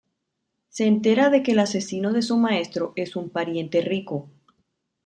Se entera de que el asesino de su maestro es un pariente rico.